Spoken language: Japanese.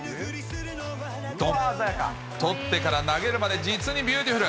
捕ってから投げるまで、実にビューティフル。